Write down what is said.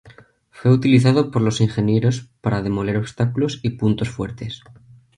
Fue utilizado por los ingenieros para demoler obstáculos y puntos fuertes.